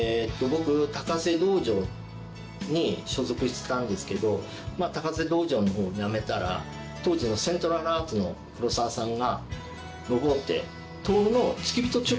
僕高瀬道場に所属してたんですけど高瀬道場の方辞めたら当時のセントラル・アーツの黒澤さんがノブオって。